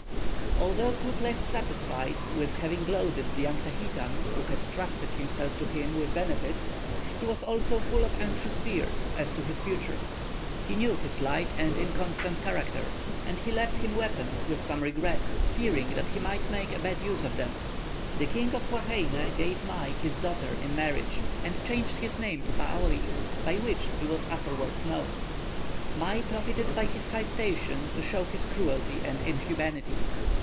Although Cook left satisfied with having loaded the young Tahitan who had trusted himself to him with benefits, he was also full of anxious fears as to his future. He knew his light and inconstant character, and he left him weapons with some regret, fearing that he might make a bad use of them. The King of Huaheine gave Mai his daughter in marriage and changed his name to Paori, by which he was afterwards known. Mai profited by his high station to show his cruelty and inhumanity.